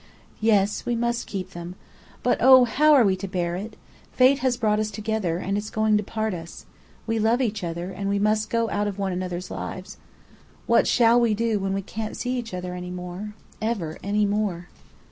"Yes, we must keep them. But oh, how are we to bear it? Fate has brought us together, and it's going to part us. We love each other, and we must go out of one another's lives. What shall we do when we can't see each other any more ever any more?"